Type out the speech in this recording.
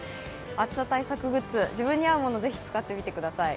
暑さ対策グッズ、自分に合うものをぜひ使ってみてください。